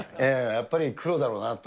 やっぱり黒だろうなと。